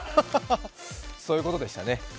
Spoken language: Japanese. そういうことでしたね。